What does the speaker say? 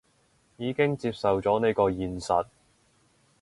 已經接受咗呢個現實